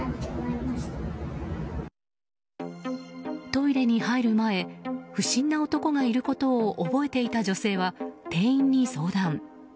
トイレに入る前不審な男がいることを覚えていた女性は、店員に相談。